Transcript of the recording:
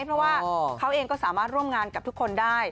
เพราะว่าเขาเองก็สามารถร่วมงานกับทุกคนได้